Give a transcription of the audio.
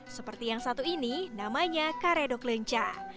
seperti yang satu ini namanya karedok lenca